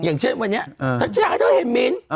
อย่างเช่นวันนี้ฉันอยากให้เธอเห็นมิ้น